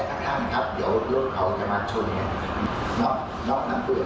ไม่ได้เป็นลูกขับน้องมันเดินไปขับเลย